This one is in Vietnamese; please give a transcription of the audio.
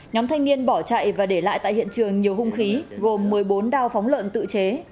nhóm thanh niên bỏ chạy và để lại tại hiện trường nhiều hung khí gồm một mươi bốn đao phóng lợn tự chế